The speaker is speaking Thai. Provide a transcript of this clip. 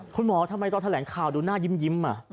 คุณหมอทำไมต้องแถลงข่าวดูหน้ายิ้มอ่ะ